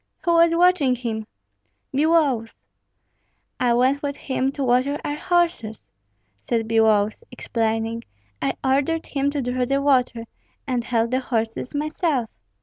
"Who was watching him?" "Biloüs." "I went with him to water our horses," said Biloüs, explaining. "I ordered him to draw the water, and held the horses myself."